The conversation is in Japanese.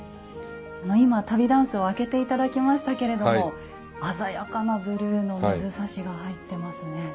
今旅箪笥を開けて頂きましたけれども鮮やかなブルーの水指が入ってますね。